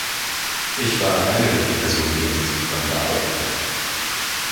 Ich war eine der vier Personen, die an diesem Programm gearbeitet hat.